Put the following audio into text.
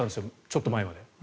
ちょっと前まで。